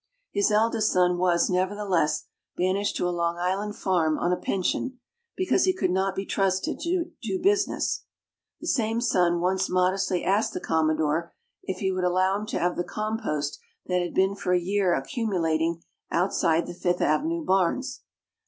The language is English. His eldest son was, nevertheless, banished to a Long Island farm on a pension, "because he could not be trusted to do business." The same son once modestly asked the Commodore if he would allow him to have the compost that had been for a year accumulating outside the Fifth Avenue barns.